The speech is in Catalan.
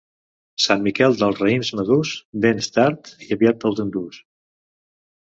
Sant Miquel dels raïms madurs, vens tard i aviat te'ls enduus.